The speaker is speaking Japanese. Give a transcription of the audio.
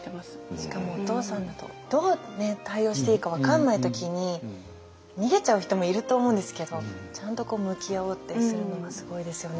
しかもお父さんだとどう対応していいか分かんない時に逃げちゃう人もいると思うんですけどちゃんと向き合おうってするのはすごいですよね。